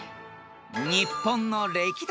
［日本の歴代